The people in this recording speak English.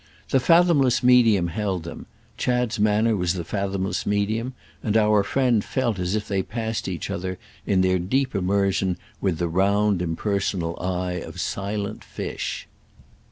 The fathomless medium held them—Chad's manner was the fathomless medium; and our friend felt as if they passed each other, in their deep immersion, with the round impersonal eye of silent fish.